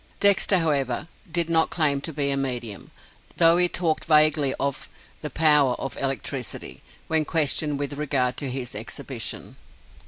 Dexter, however, did not claim to be a medium, though he talked vaguely of "the power of electricity," when questioned with regard to his exhibition.